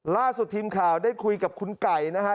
ล่าสุดทีมข่าวได้คุยกับคุณไก่นะฮะ